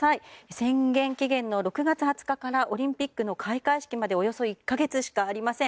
宣言期限の６月２０日からオリンピックの開会式までおよそ１か月しかありません。